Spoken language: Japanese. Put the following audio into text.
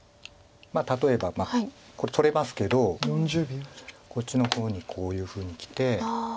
例えばこれ取れますけどこっちの方にこういうふうにきて。